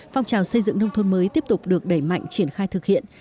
phong trào xây dựng nông thôn mới tiếp tục được đẩy mạnh triển khai thực hiện